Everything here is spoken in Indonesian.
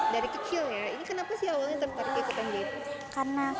dari kecilnya ini kenapa awalnya tertarik ikutan jaipongan